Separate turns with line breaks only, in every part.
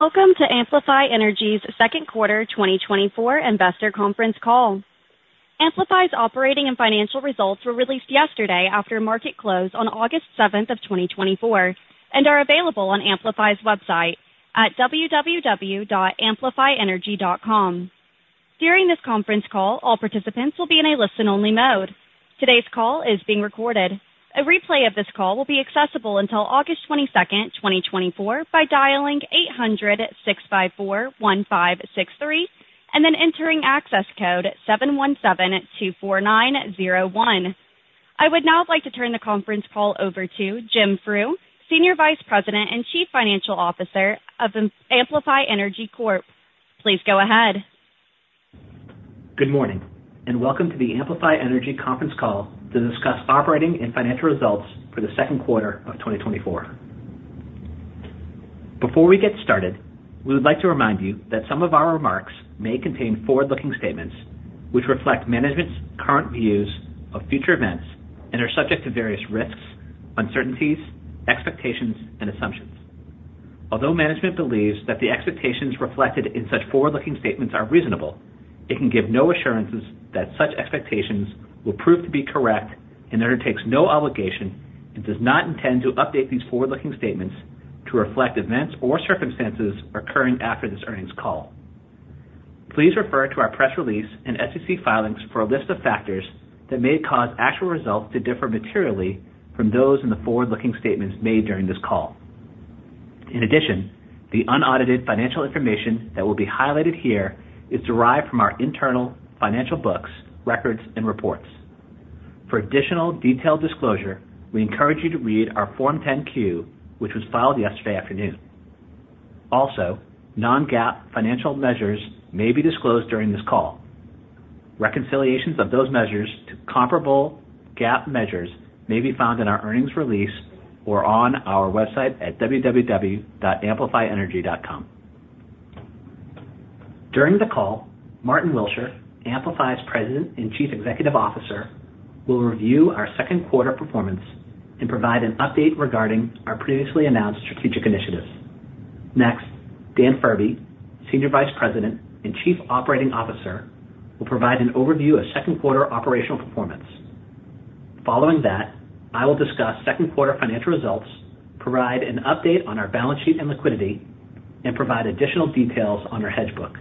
Welcome to Amplify Energy's second quarter 2024 investor conference call. Amplify's operating and financial results were released yesterday after market close on August 7th of 2024 and are available on Amplify's website at www.amplifyenergy.com. During this conference call, all participants will be in a listen-only mode. Today's call is being recorded. A replay of this call will be accessible until August 22nd, 2024, by dialing 800-654-1563 and then entering access code 71724901. I would now like to turn the conference call over to Jim Frew, Senior Vice President and Chief Financial Officer of Amplify Energy Corp. Please go ahead. Good morning and welcome to the Amplify Energy conference call to discuss operating and financial results for the second quarter of 2024. Before we get started, we would like to remind you that some of our remarks may contain forward-looking statements which reflect management's current views of future events and are subject to various risks, uncertainties, expectations, and assumptions. Although management believes that the expectations reflected in such forward-looking statements are reasonable, it can give no assurances that such expectations will prove to be correct and undertakes no obligation and does not intend to update these forward-looking statements to reflect events or circumstances occurring after this earnings call. Please refer to our press release and SEC filings for a list of factors that may cause actual results to differ materially from those in the forward-looking statements made during this call. In addition, the unaudited financial information that will be highlighted here is derived from our internal financial books, records, and reports. For additional detailed disclosure, we encourage you to read our Form 10-Q, which was filed yesterday afternoon. Also, non-GAAP financial measures may be disclosed during this call. Reconciliations of those measures to comparable GAAP measures may be found in our earnings release or on our website at www.amplifyenergy.com. During the call, Martyn Willsher, Amplify's President and Chief Executive Officer, will review our second quarter performance and provide an update regarding our previously announced strategic initiatives. Next, Dan Furbee, Senior Vice President and Chief Operating Officer, will provide an overview of second quarter operational performance. Following that, I will discuss second quarter financial results, provide an update on our balance sheet and liquidity, and provide additional details on our hedge book.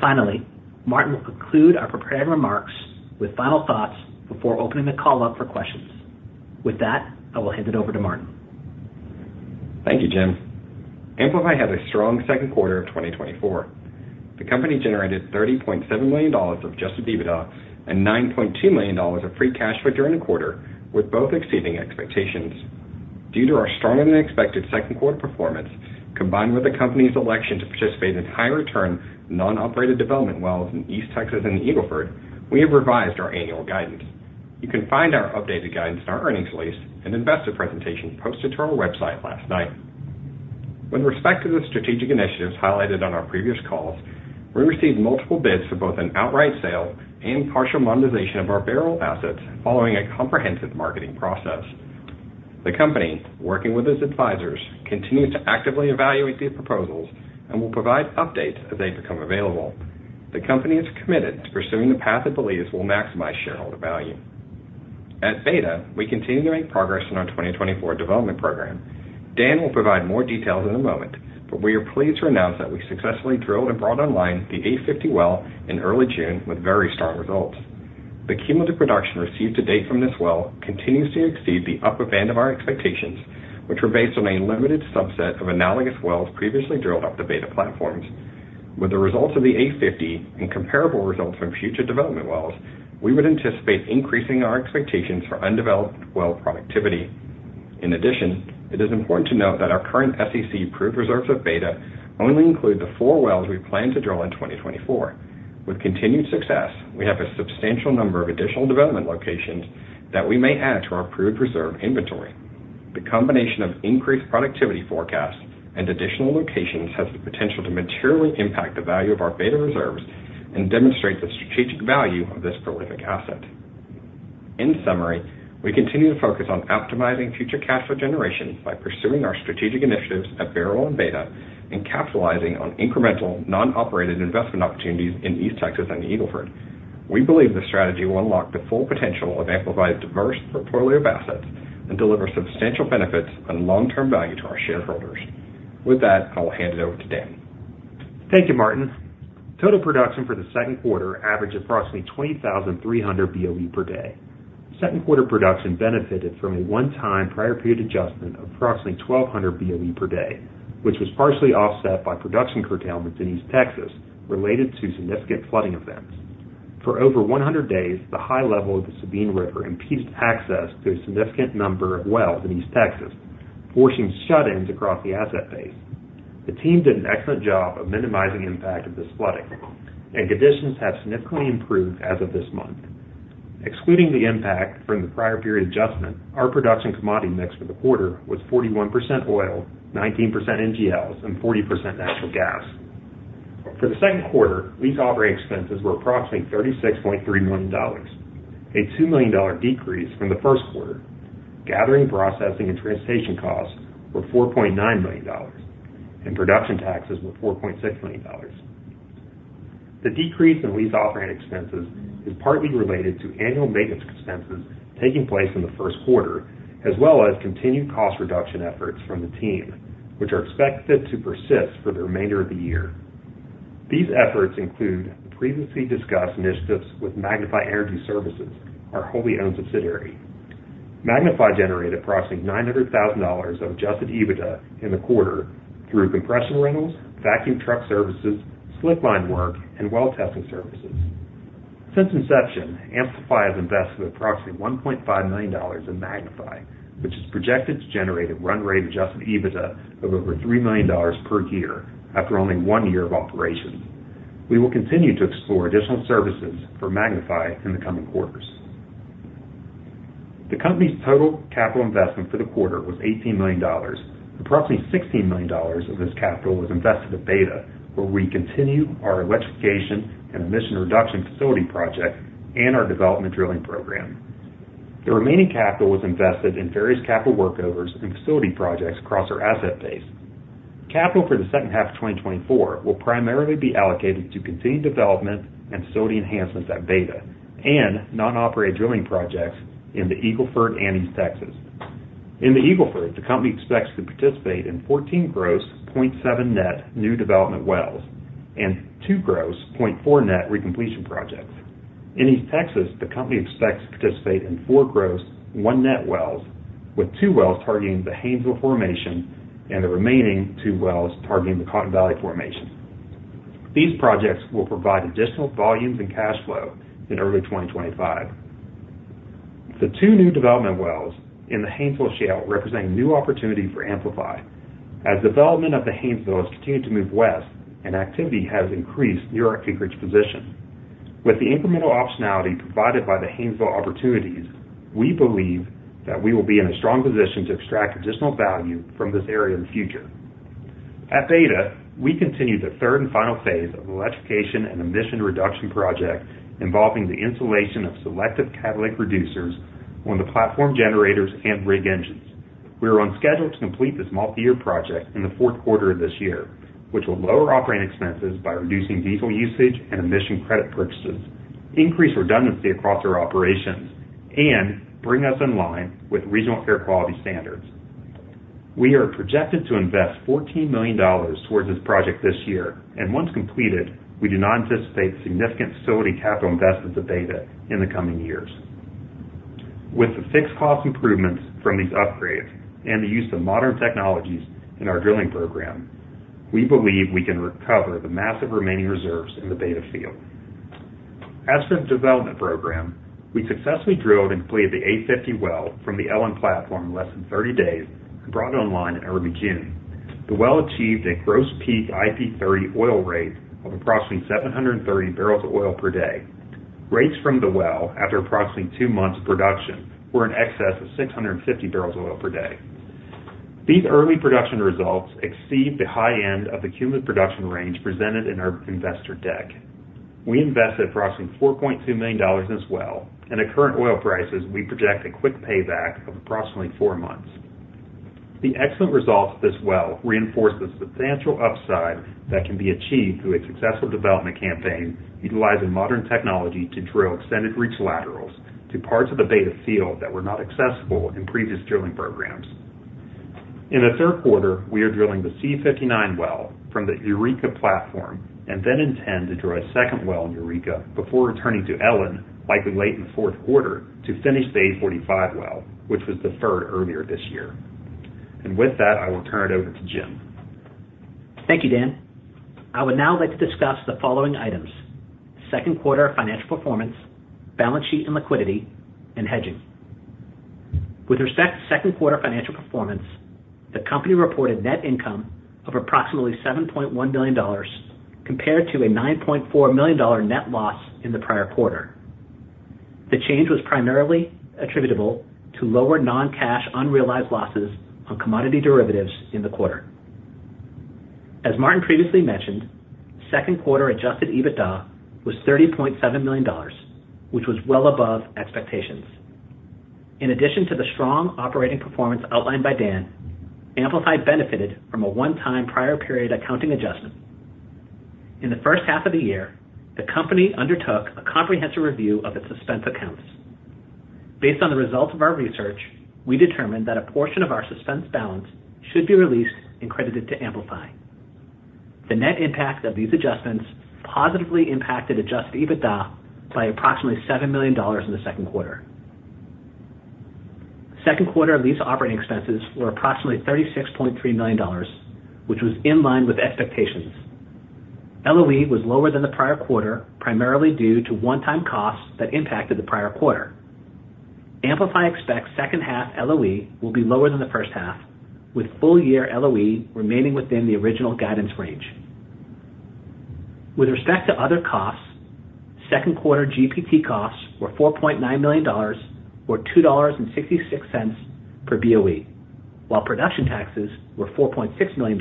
Finally, Martyn will conclude our prepared remarks with final thoughts before opening the call up for questions. With that, I will hand it over to Martyn.
Thank you, Jim. Amplify had a strong second quarter of 2024. The company generated $30.7 million of adjusted EBITDA and $9.2 million of free cash flow during the quarter, with both exceeding expectations. Due to our stronger-than-expected second quarter performance, combined with the company's election to participate in high-return non-operated development wells in East Texas and Eagle Ford, we have revised our annual guidance. You can find our updated guidance in our earnings release and investor presentation posted to our website last night. With respect to the strategic initiatives highlighted on our previous calls, we received multiple bids for both an outright sale and partial monetization of our Bairoil assets following a comprehensive marketing process. The company, working with its advisors, continues to actively evaluate these proposals and will provide updates as they become available. The company is committed to pursuing the path it believes will maximize shareholder value. At Beta, we continue to make progress in our 2024 development program. Dan will provide more details in a moment, but we are pleased to announce that we successfully drilled and brought online the A50 well in early June with very strong results. The cumulative production received to date from this well continues to exceed the upper band of our expectations, which were based on a limited subset of analogous wells previously drilled up the Beta platforms. With the results of the A50 and comparable results from future development wells, we would anticipate increasing our expectations for undeveloped well productivity. In addition, it is important to note that our current SEC approved reserves of Beta only include the four wells we plan to drill in 2024. With continued success, we have a substantial number of additional development locations that we may add to our approved reserve inventory. The combination of increased productivity forecasts and additional locations has the potential to materially impact the value of our Beta reserves and demonstrate the strategic value of this prolific asset. In summary, we continue to focus on optimizing future cash flow generation by pursuing our strategic initiatives at Bairoil and Beta and capitalizing on incremental non-operated investment opportunities in East Texas and Eagle Ford. We believe the strategy will unlock the full potential of Amplify's diverse portfolio of assets and deliver substantial benefits and long-term value to our shareholders. With that, I will hand it over to Dan.
Thank you, Martyn. Total production for the second quarter averaged approximately 20,300 BOE per day. Second quarter production benefited from a one-time prior period adjustment of approximately 1,200 BOE per day, which was partially offset by production curtailments in East Texas related to significant flooding events. For over 100 days, the high level of the Sabine River impeded access to a significant number of wells in East Texas, forcing shut-ins across the asset base. The team did an excellent job of minimizing the impact of this flooding, and conditions have significantly improved as of this month. Excluding the impact from the prior period adjustment, our production commodity mix for the quarter was 41% oil, 19% NGLs, and 40% natural gas. For the second quarter, lease operating expenses were approximately $36.3 million, a $2 million decrease from the first quarter. Gathering, processing, and transportation costs were $4.9 million, and production taxes were $4.6 million. The decrease in lease operating expenses is partly related to annual maintenance expenses taking place in the first quarter, as well as continued cost reduction efforts from the team, which are expected to persist for the remainder of the year. These efforts include the previously discussed initiatives with Magnify Energy Services, our wholly owned subsidiary. Magnify generated approximately $900,000 of Adjusted EBITDA in the quarter through compression rentals, vacuum truck services, slick line work, and well testing services. Since inception, Amplify has invested approximately $1.5 million in Magnify, which is projected to generate a run rate Adjusted EBITDA of over $3 million per year after only one year of operations. We will continue to explore additional services for Magnify in the coming quarters. The company's total capital investment for the quarter was $18 million. Approximately $16 million of this capital was invested at Beta, where we continue our electrification and emission reduction facility project and our development drilling program. The remaining capital was invested in various capital workovers and facility projects across our asset base. Capital for the second half of 2024 will primarily be allocated to continued development and facility enhancements at Beta and non-operated drilling projects in the Eagle Ford and East Texas. In the Eagle Ford, the company expects to participate in 14 gross, 0.7 net new development wells and 2 gross, 0.4 net recompletion projects. In East Texas, the company expects to participate in 4 gross, 1 net wells, with 2 wells targeting the Haynesville Formation and the remaining 2 wells targeting the Cotton Valley Formation. These projects will provide additional volumes and cash flow in early 2025. The two new development wells in the Haynesville Shale represent a new opportunity for Amplify, as development of the Haynesville has continued to move west and activity has increased near our acreage position. With the incremental optionality provided by the Haynesville opportunities, we believe that we will be in a strong position to extract additional value from this area in the future. At Beta, we continue the third and final phase of the electrification and emission reduction project involving the installation of Selective Catalytic Reducers on the platform generators and rig engines. We are on schedule to complete this multi-year project in the fourth quarter of this year, which will lower operating expenses by reducing diesel usage and emission credit purchases, increase redundancy across our operations, and bring us in line with regional air quality standards. We are projected to invest $14 million towards this project this year, and once completed, we do not anticipate significant facility capital investments at Beta in the coming years. With the fixed cost improvements from these upgrades and the use of modern technologies in our drilling program, we believe we can recover the massive remaining reserves in the Beta field. As for the development program, we successfully drilled and completed the A50 well from the Ellen platform in less than 30 days and brought it online in early June. The well achieved a gross peak IP30 oil rate of approximately 730 barrels of oil per day. Rates from the well after approximately two months of production were in excess of 650 barrels of oil per day. These early production results exceed the high end of the cumulative production range presented in our investor deck. We invested approximately $4.2 million in this well, and at current oil prices, we project a quick payback of approximately four months. The excellent results of this well reinforce the substantial upside that can be achieved through a successful development campaign utilizing modern technology to drill extended reach laterals to parts of the Beta field that were not accessible in previous drilling programs. In the third quarter, we are drilling the C59 well from the Eureka platform and then intend to drill a second well in Eureka before returning to Ellen, likely late in the fourth quarter, to finish the A45 well, which was deferred earlier this year. With that, I will turn it over to Jim.
Thank you, Dan. I would now like to discuss the following items: second quarter financial performance, balance sheet and liquidity, and hedging. With respect to second quarter financial performance, the company reported net income of approximately $7.1 million compared to a $9.4 million net loss in the prior quarter. The change was primarily attributable to lower non-cash unrealized losses on commodity derivatives in the quarter. As Martyn previously mentioned, second quarter Adjusted EBITDA was $30.7 million, which was well above expectations. In addition to the strong operating performance outlined by Dan, Amplify benefited from a one-time prior period accounting adjustment. In the first half of the year, the company undertook a comprehensive review of its expense accounts. Based on the results of our research, we determined that a portion of our suspense balance should be released and credited to Amplify. The net impact of these adjustments positively impacted adjusted EBITDA by approximately $7 million in the second quarter. Second quarter lease operating expenses were approximately $36.3 million, which was in line with expectations. LOE was lower than the prior quarter, primarily due to one-time costs that impacted the prior quarter. Amplify expects second half LOE will be lower than the first half, with full year LOE remaining within the original guidance range. With respect to other costs, second quarter GPT costs were $4.9 million, or $2.66 per BOE, while production taxes were $4.6 million,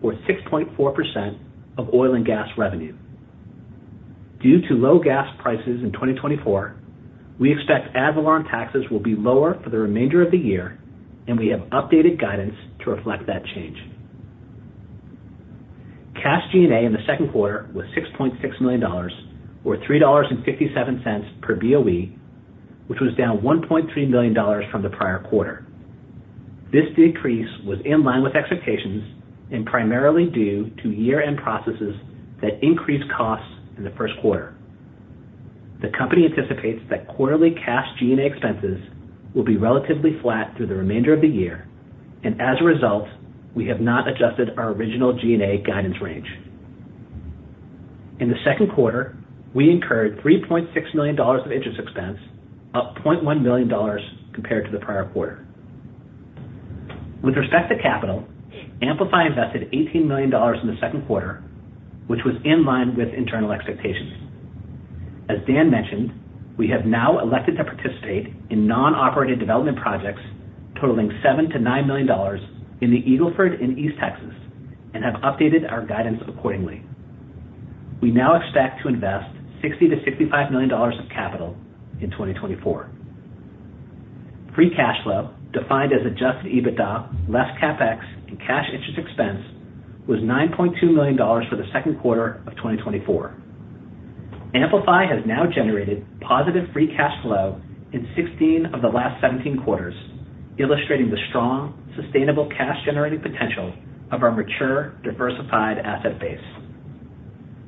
or 6.4% of oil and gas revenue. Due to low gas prices in 2024, we expect add-on taxes will be lower for the remainder of the year, and we have updated guidance to reflect that change. Cash G&A in the second quarter was $6.6 million, or $3.57 per BOE, which was down $1.3 million from the prior quarter. This decrease was in line with expectations and primarily due to year-end processes that increased costs in the first quarter. The company anticipates that quarterly cash G&A expenses will be relatively flat through the remainder of the year, and as a result, we have not adjusted our original G&A guidance range. In the second quarter, we incurred $3.6 million of interest expense, up $0.1 million compared to the prior quarter. With respect to capital, Amplify invested $18 million in the second quarter, which was in line with internal expectations. As Dan mentioned, we have now elected to participate in non-operated development projects totaling $7-$9 million in the Eagle Ford and East Texas and have updated our guidance accordingly. We now expect to invest $60-$65 million of capital in 2024. Free cash flow, defined as Adjusted EBITDA, less CapEx, and cash interest expense, was $9.2 million for the second quarter of 2024. Amplify has now generated positive free cash flow in 16 of the last 17 quarters, illustrating the strong, sustainable cash-generating potential of our mature, diversified asset base.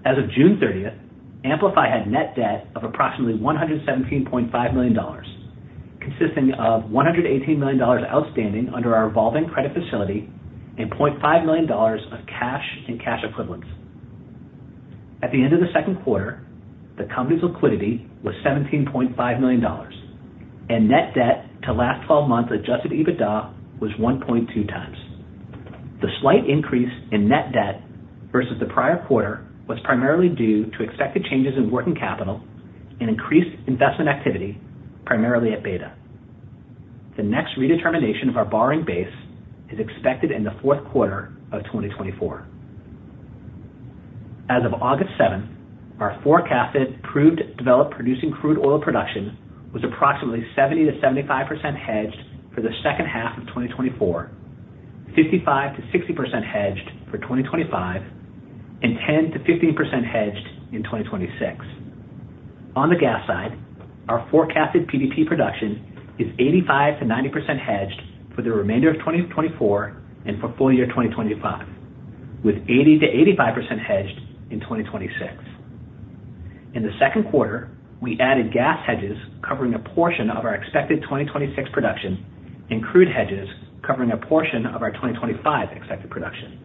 As of June 30th, Amplify had net debt of approximately $117.5 million, consisting of $118 million outstanding under our revolving credit facility and $0.5 million of cash and cash equivalents. At the end of the second quarter, the company's liquidity was $17.5 million, and net debt to last 12 months Adjusted EBITDA was 1.2 times. The slight increase in net debt versus the prior quarter was primarily due to expected changes in working capital and increased investment activity, primarily at Beta. The next redetermination of our borrowing base is expected in the fourth quarter of 2024. As of August 7th, our forecasted proved developed producing crude oil production was approximately 70%-75% hedged for the second half of 2024, 55%-60% hedged for 2025, and 10%-15% hedged in 2026. On the gas side, our forecasted PDP production is 85%-90% hedged for the remainder of 2024 and for full year 2025, with 80%-85% hedged in 2026. In the second quarter, we added gas hedges covering a portion of our expected 2026 production and crude hedges covering a portion of our 2025 expected production.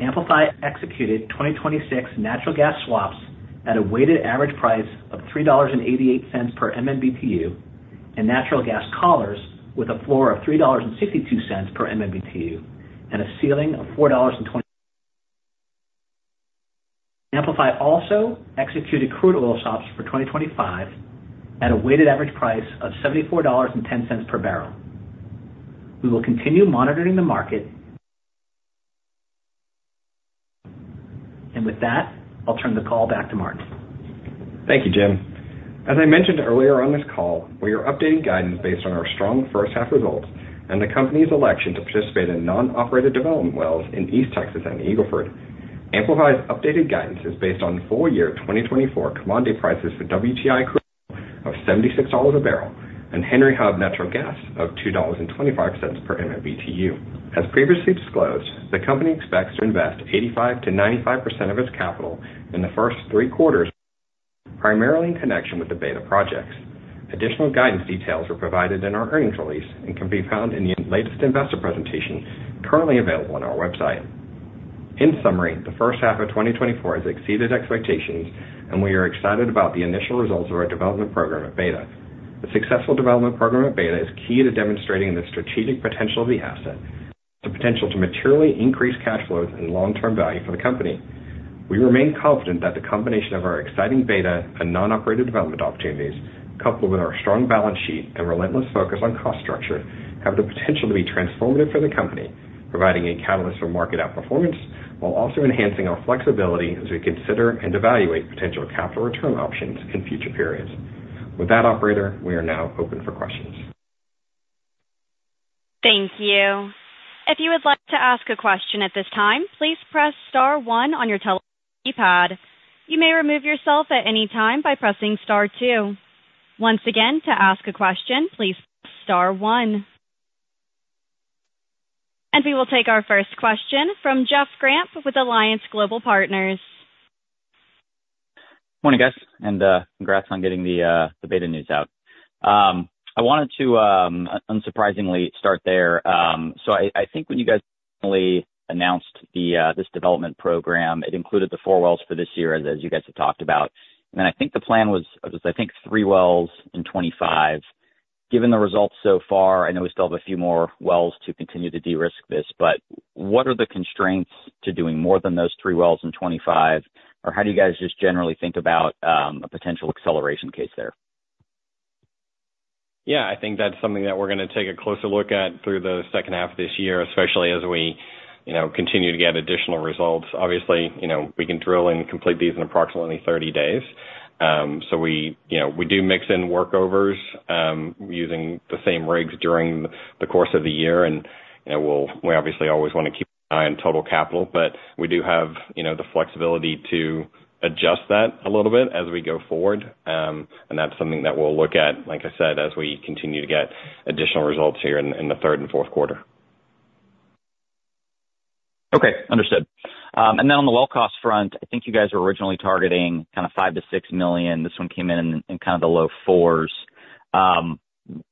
Amplify executed 2026 natural gas swaps at a weighted average price of $3.88 per MMBTU and natural gas collars with a floor of $3.62 per MMBTU and a ceiling of $4.20. Amplify also executed crude oil swaps for 2025 at a weighted average price of $74.10 per barrel. We will continue monitoring the market. And with that, I'll turn the call back to Martin. Thank you, Jim. As I mentioned earlier on this call, we are updating guidance based on our strong first half results and the company's election to participate in non-operated development wells in East Texas and Eagle Ford. Amplify's updated guidance is based on full year 2024 commodity prices for WTI crude of $76 a barrel and Henry Hub natural gas of $2.25 per MMBTU. As previously disclosed, the company expects to invest 85%-95% of its capital in the first three quarters, primarily in connection with the Beta projects. Additional guidance details were provided in our earnings release and can be found in the latest investor presentation currently available on our website. In summary, the first half of 2024 has exceeded expectations, and we are excited about the initial results of our development program at Beta. The successful development program at Beta is key to demonstrating the strategic potential of the asset, the potential to materially increase cash flows and long-term value for the company. We remain confident that the combination of our exciting Beta and non-operated development opportunities, coupled with our strong balance sheet and relentless focus on cost structure, have the potential to be transformative for the company, providing a catalyst for market outperformance while also enhancing our flexibility as we consider and evaluate potential capital return options in future periods. With that, operator, we are now open for questions.
Thank you. If you would like to ask a question at this time, please press star one on your telephone keypad. You may remove yourself at any time by pressing star two. Once again, to ask a question, please press start one. We will take our first question from Jeff Gramp with Alliance Global Partners.
Morning, guys, and congrats on getting the Beta news out. I wanted to unsurprisingly start there. So I think when you guys announced this development program, it included the 4 wells for this year, as you guys have talked about. And then I think the plan was, I think, 3 wells in 2025. Given the results so far, I know we still have a few more wells to continue to de-risk this, but what are the constraints to doing more than those 3 wells in 2025? Or how do you guys just generally think about a potential acceleration case there?
Yeah, I think that's something that we're going to take a closer look at through the second half of this year, especially as we continue to get additional results. Obviously, we can drill and complete these in approximately 30 days. So we do mix in workovers using the same rigs during the course of the year. And we obviously always want to keep an eye on total capital, but we do have the flexibility to adjust that a little bit as we go forward. And that's something that we'll look at, like I said, as we continue to get additional results here in the third and fourth quarter.
Okay, understood. And then on the well cost front, I think you guys were originally targeting kind of $5-$6 million. This one came in in kind of the low $4 million.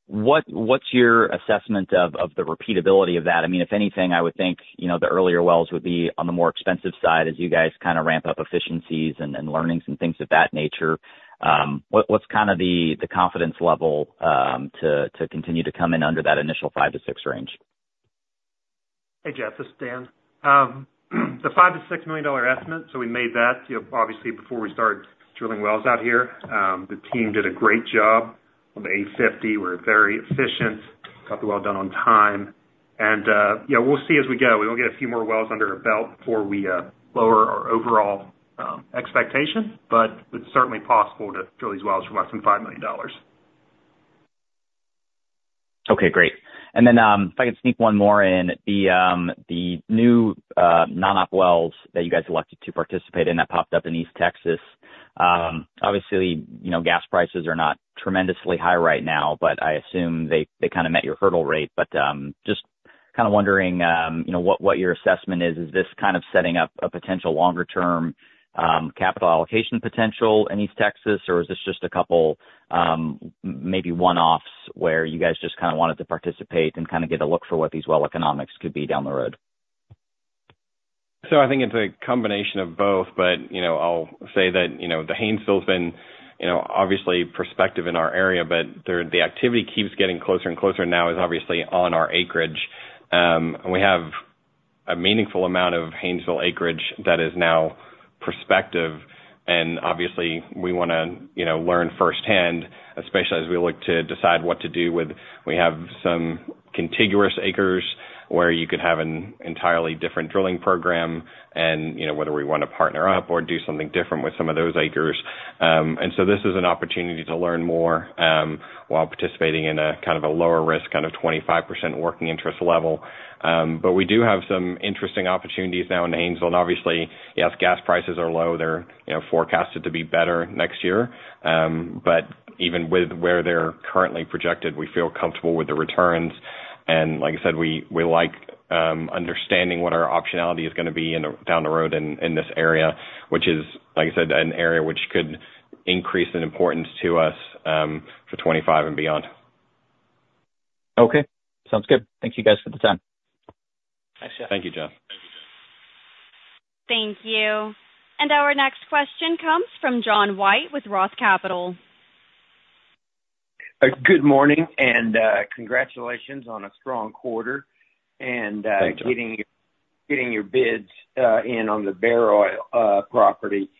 What's your assessment of the repeatability of that? I mean, if anything, I would think the earlier wells would be on the more expensive side as you guys kind of ramp up efficiencies and learnings and things of that nature. What's kind of the confidence level to continue to come in under that initial $5-$6 range?
Hey, Jeff, this is Dan. The $5 million-$6 million estimate, so we made that obviously before we started drilling wells out here. The team did a great job on the A50. We're very efficient, got the well done on time. We'll see as we go. We won't get a few more wells under our belt before we lower our overall expectation, but it's certainly possible to drill these wells for less than $5 million.
Okay, great. And then if I could sneak one more in, the new non-op wells that you guys elected to participate in that popped up in East Texas. Obviously, gas prices are not tremendously high right now, but I assume they kind of met your hurdle rate. But just kind of wondering what your assessment is. Is this kind of setting up a potential longer-term capital allocation potential in East Texas, or is this just a couple maybe one-offs where you guys just kind of wanted to participate and kind of get a look for what these well economics could be down the road?
So I think it's a combination of both, but I'll say that the Haynesville has been obviously prospective in our area, but the activity keeps getting closer and closer now is obviously on our acreage. We have a meaningful amount of Haynesville acreage that is now prospective. And obviously, we want to learn firsthand, especially as we look to decide what to do with. We have some contiguous acres where you could have an entirely different drilling program and whether we want to partner up or do something different with some of those acres. And so this is an opportunity to learn more while participating in a kind of a lower risk, kind of 25% working interest level. But we do have some interesting opportunities now in Haynesville. And obviously, yes, gas prices are low. They're forecasted to be better next year. Even with where they're currently projected, we feel comfortable with the returns. Like I said, we like understanding what our optionality is going to be down the road in this area, which is, like I said, an area which could increase in importance to us for 2025 and beyond.
Okay, sounds good. Thank you guys for the time.
Thanks, Jeff.
Thank you, Jeff.
Thank you, Jim. Thank you. Our next question comes from John White with Roth Capital.
Good morning and congratulations on a strong quarter and getting your bids in on the Bairoil property.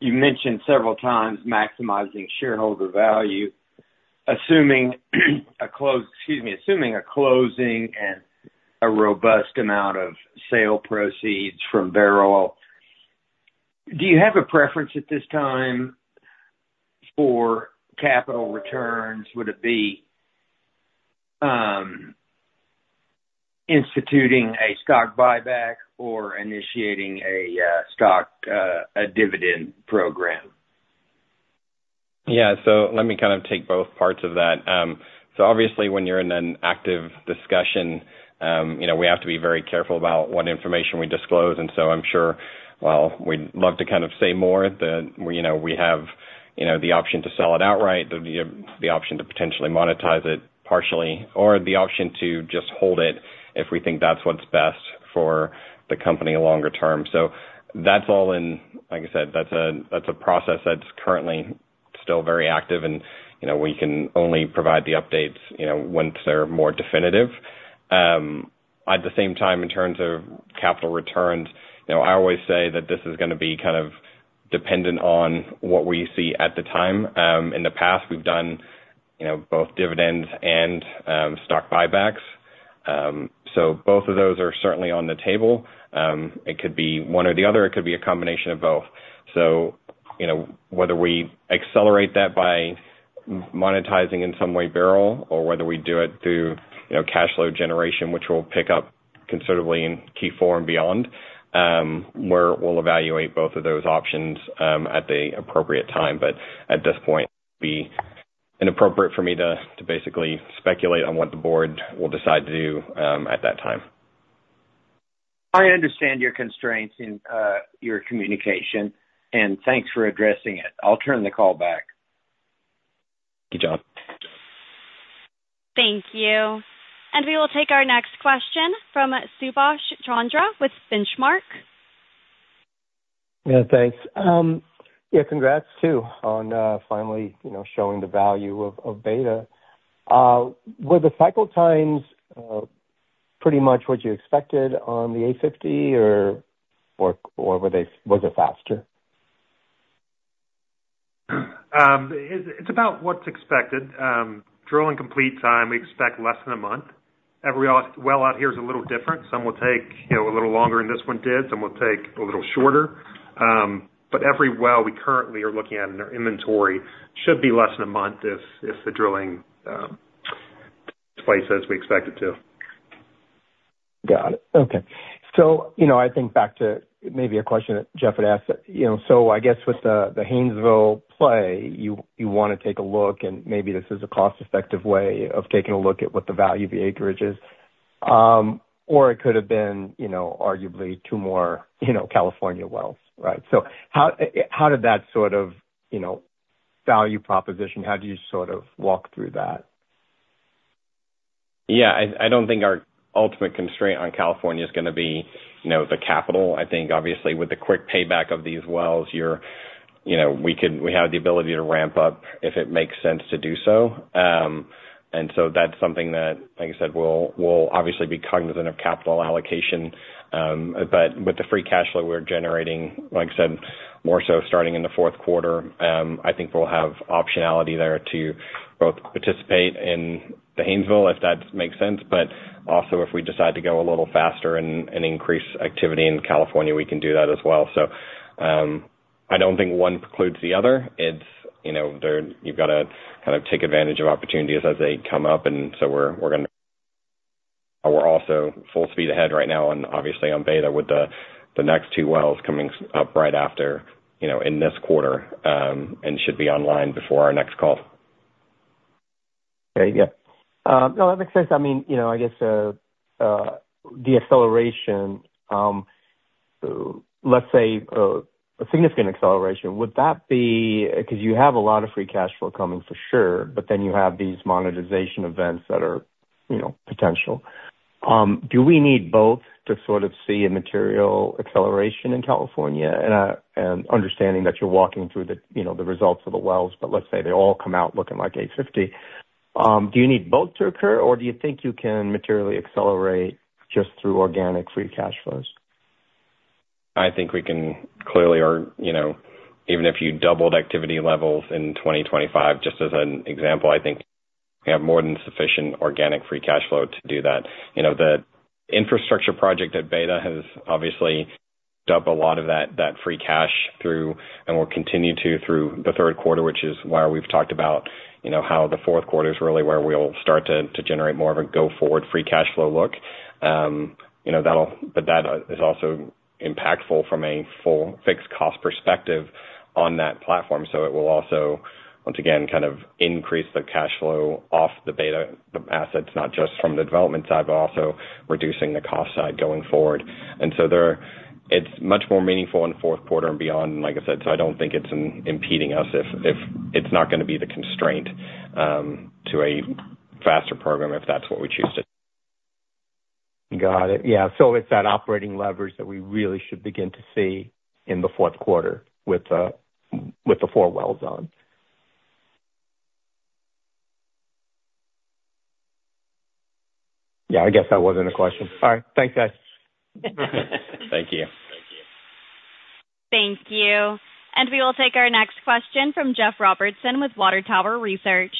You mentioned several times maximizing shareholder value, assuming a closing and a robust amount of sale proceeds from Bairoil. Do you have a preference at this time for capital returns? Would it be instituting a stock buyback or initiating a stock dividend program?
Yeah, so let me kind of take both parts of that. So obviously, when you're in an active discussion, we have to be very careful about what information we disclose. And so I'm sure, well, we'd love to kind of say more that we have the option to sell it outright, the option to potentially monetize it partially, or the option to just hold it if we think that's what's best for the company longer term. So that's all in, like I said, that's a process that's currently still very active, and we can only provide the updates once they're more definitive. At the same time, in terms of capital returns, I always say that this is going to be kind of dependent on what we see at the time. In the past, we've done both dividends and stock buybacks. So both of those are certainly on the table. It could be one or the other. It could be a combination of both. So whether we accelerate that by monetizing in some way Bairoil or whether we do it through cash flow generation, which will pick up considerably in Q4 and beyond, we'll evaluate both of those options at the appropriate time. But at this point, it would be inappropriate for me to basically speculate on what the board will decide to do at that time.
I understand your constraints in your communication, and thanks for addressing it. I'll turn the call back.
Thank you, John.
Thank you. We will take our next question from Subash Chandra with Benchmark.
Yeah, thanks. Yeah, congrats too on finally showing the value of Beta. Were the cycle times pretty much what you expected on the A50, or was it faster?
It's about what's expected. Drilling complete time, we expect less than a month. Every well out here is a little different. Some will take a little longer than this one did. Some will take a little shorter. But every well we currently are looking at in our inventory should be less than a month if the drilling takes place as we expect it to.
Got it. Okay. So I think back to maybe a question that Jeff had asked. So I guess with the Haynesville play, you want to take a look, and maybe this is a cost-effective way of taking a look at what the value of the acreage is. Or it could have been arguably two more California wells, right? So how did that sort of value proposition, how did you sort of walk through that?
Yeah, I don't think our ultimate constraint on California is going to be the capital. I think obviously with the quick payback of these wells, we have the ability to ramp up if it makes sense to do so. And so that's something that, like I said, we'll obviously be cognizant of capital allocation. But with the free cash flow we're generating, like I said, more so starting in the fourth quarter, I think we'll have optionality there to both participate in the Haynesville, if that makes sense. But also if we decide to go a little faster and increase activity in California, we can do that as well. So I don't think one precludes the other. You've got to kind of take advantage of opportunities as they come up. So we're also full speed ahead right now and obviously on Beta with the next two wells coming up right after in this quarter and should be online before our next call.
Okay, yeah. No, that makes sense. I mean, I guess the acceleration, let's say a significant acceleration, would that be because you have a lot of free cash flow coming for sure, but then you have these monetization events that are potential? Do we need both to sort of see a material acceleration in California and understanding that you're walking through the results of the wells, but let's say they all come out looking like A50? Do you need both to occur, or do you think you can materially accelerate just through organic free cash flows?
I think we can clearly, even if you doubled activity levels in 2025, just as an example, I think we have more than sufficient organic free cash flow to do that. The infrastructure project at Beta has obviously dumped a lot of that free cash through and will continue to through the third quarter, which is why we've talked about how the fourth quarter is really where we'll start to generate more of a go-forward free cash flow look. But that is also impactful from a full fixed cost perspective on that platform. So it will also, once again, kind of increase the cash flow off the Beta assets, not just from the development side, but also reducing the cost side going forward. And so it's much more meaningful in fourth quarter and beyond, like I said. I don't think it's impeding us if it's not going to be the constraint to a faster program if that's what we choose to.
Got it. Yeah. So it's that operating leverage that we really should begin to see in the fourth quarter with the four wells on. Yeah, I guess that wasn't a question. All right. Thanks, guys.
Thank you.
Thank you. Thank you. We will take our next question from Jeff Robertson with Water Tower Research.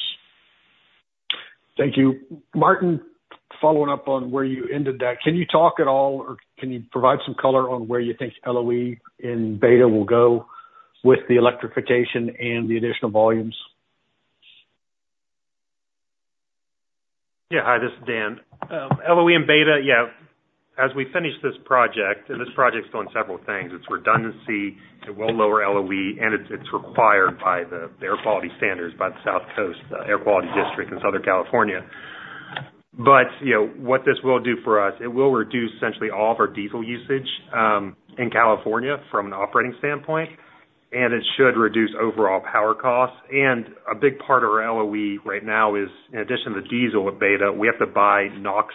Thank you. Martyn, following up on where you ended that, can you talk at all or can you provide some color on where you think LOE in Beta will go with the electrification and the additional volumes?
Yeah, hi, this is Dan. LOE in Beta, yeah, as we finish this project, and this project's doing several things. It's redundancy. It will lower LOE, and it's required by the air quality standards by the South Coast Air Quality District in Southern California. But what this will do for us, it will reduce essentially all of our diesel usage in California from an operating standpoint, and it should reduce overall power costs. And a big part of our LOE right now is, in addition to the diesel at Beta, we have to buy NOx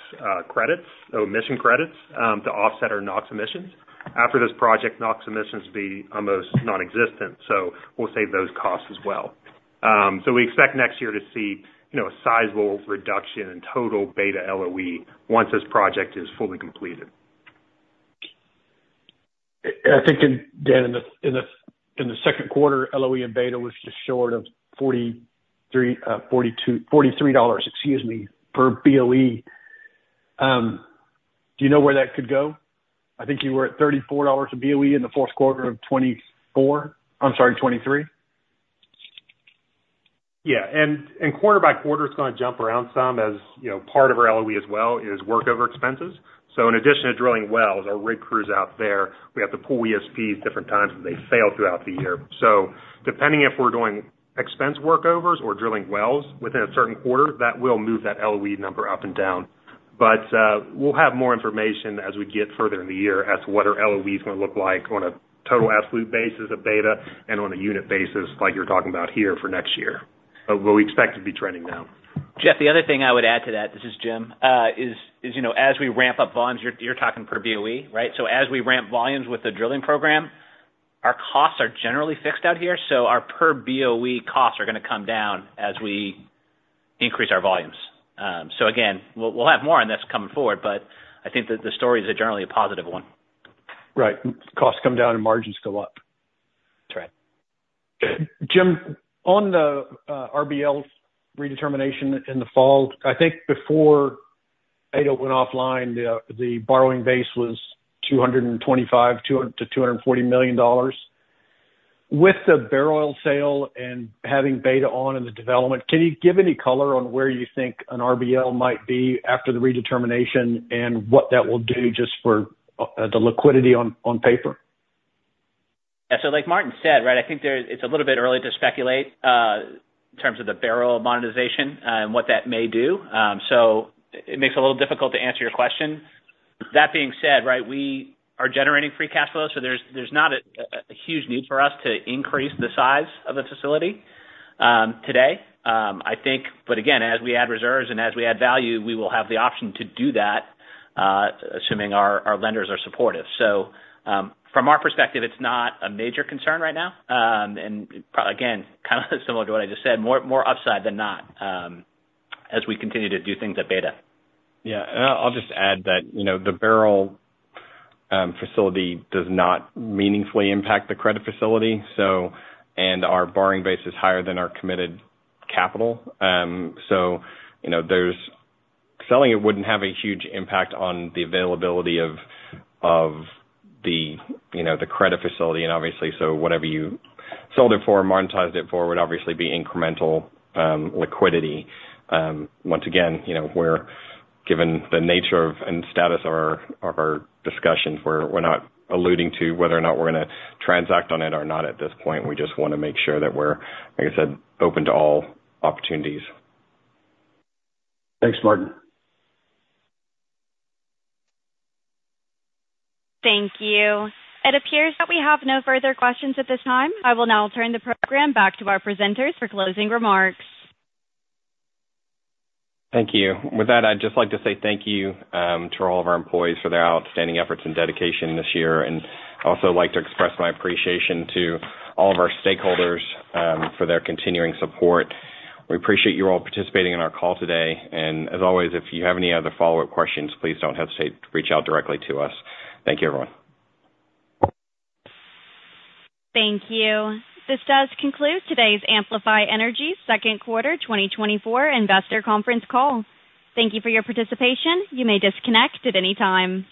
credits, so emission credits to offset our NOx emissions. After this project, NOx emissions will be almost nonexistent. So we'll save those costs as well. So we expect next year to see a sizable reduction in total Beta LOE once this project is fully completed.
I think, Dan, in the second quarter, LOE in Beta was just short of $43, excuse me, per BOE. Do you know where that could go? I think you were at $34 a BOE in the fourth quarter of 2024, I'm sorry, 2023.
Yeah. And quarter by quarter, it's going to jump around some as part of our LOE as well is workover expenses. So in addition to drilling wells, our rig crews out there, we have to pull ESPs different times because they fail throughout the year. So depending if we're doing expense workovers or drilling wells within a certain quarter, that will move that LOE number up and down. But we'll have more information as we get further in the year as to what our LOE is going to look like on a total absolute basis of Beta and on a unit basis like you're talking about here for next year. But we expect to be trending down.
Jeff, the other thing I would add to that, this is Jim, is as we ramp up volumes, you're talking per BOE, right? So as we ramp volumes with the drilling program, our costs are generally fixed out here. So our per BOE costs are going to come down as we increase our volumes. So again, we'll have more on this coming forward, but I think that the story is generally a positive one.
Right. Costs come down and margins go up.
That's right.
Jim, on the RBL's redetermination in the fall, I think before Beta went offline, the borrowing base was $225 million-$240 million. With the Bairoil oil sale and having Beta on in the development, can you give any color on where you think an RBL might be after the redetermination and what that will do just for the liquidity on paper?
Yeah. So like Martyn said, right, I think it's a little bit early to speculate in terms of the Bairoil monetization and what that may do. So it makes a little difficult to answer your question. That being said, right, we are generating Free Cash Flow. So there's not a huge need for us to increase the size of the facility today, I think. But again, as we add reserves and as we add value, we will have the option to do that assuming our lenders are supportive. So from our perspective, it's not a major concern right now. And again, kind of similar to what I just said, more upside than not as we continue to do things at Beta.
Yeah. I'll just add that the Bairoil oil facility does not meaningfully impact the credit facility. Our borrowing base is higher than our committed capital. So selling it wouldn't have a huge impact on the availability of the credit facility. Obviously, so whatever you sold it for and monetized it for would obviously be incremental liquidity. Once again, given the nature and status of our discussions, we're not alluding to whether or not we're going to transact on it or not at this point. We just want to make sure that we're, like I said, open to all opportunities.
Thanks, Martin.
Thank you. It appears that we have no further questions at this time. I will now turn the program back to our presenters for closing remarks.
Thank you. With that, I'd just like to say thank you to all of our employees for their outstanding efforts and dedication this year. I'd also like to express my appreciation to all of our stakeholders for their continuing support. We appreciate you all participating in our call today. As always, if you have any other follow-up questions, please don't hesitate to reach out directly to us. Thank you, everyone.
Thank you. This does conclude today's Amplify Energy Second Quarter 2024 Investor Conference Call. Thank you for your participation. You may disconnect at any time.